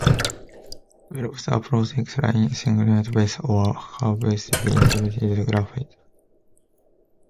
Envelopes are procedural line segment-based or curve-based interactive graphs.